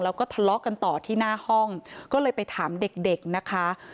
แล้วก็ทะเลาะกันต่อที่หน้าห้องก็เลยไปถามเด็กเด็กนะคะ